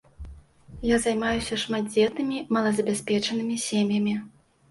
Я займаюся шматдзетнымі малазабяспечанымі сем'ямі.